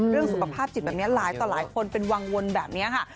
เรื่องสุขภาพจิตแบบนี้หลายต่อหลายคนเป็นวังวลแบบนี้ค่ะ